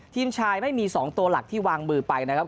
ทีมชายไม่มี๒ตัวหลักที่วางมือไปนะครับ